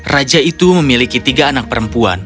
raja itu memiliki tiga anak perempuan